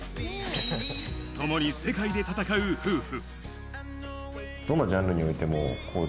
ともに世界で戦う夫婦。